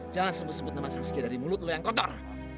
jangan sebut sebut nama saskia dari mulut lo yang kotor